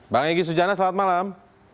bang egy sujana selamat malam